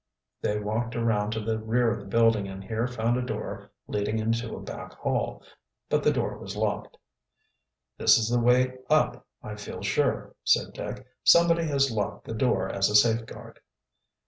They walked around to the rear of the building and here found a door leading into a back hall. But the door was locked. "This is the way up, I feel sure," said Dick. "Somebody has locked the door as a safeguard."